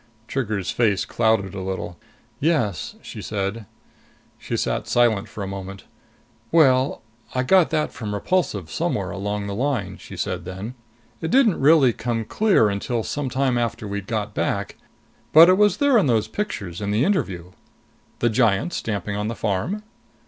Trigger's face clouded a little. "Yes," she said. She sat silent for a moment. "Well, I got that from Repulsive somewhere along the line," she said then. "It didn't really come clear until some time after we'd got back. But it was there in those pictures in the interview." "The giants stamping on the farm?"